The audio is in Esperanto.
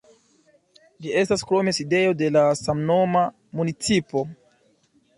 Ĝi estas krome sidejo de la samnoma municipo.